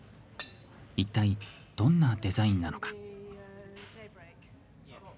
いったいどんなデザインなのか。